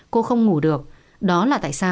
cô không ngủ được đó là